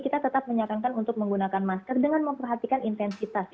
kita tetap menyarankan untuk menggunakan masker dengan memperhatikan intensitas